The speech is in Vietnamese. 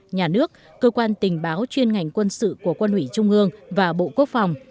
nhà nước cơ quan tình báo chuyên ngành quân sự của quân ủy trung ương và bộ quốc phòng